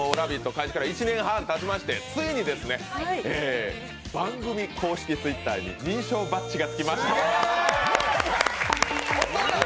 開始から１年半がたちましてついに番組公式Ｔｗｉｔｔｅｒに認証バッジがつきました。